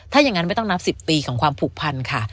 ถ้าอย่างนั้นไม่ต้องนับ๑๐ปีของความผูกพันค่ะ